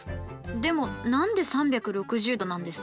でも何で３６０°なんですか？